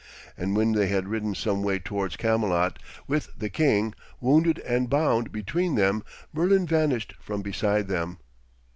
And when they had ridden some way towards Camelot with the king, wounded and bound, between them, Merlin vanished from beside them.